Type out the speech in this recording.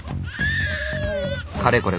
かれこれ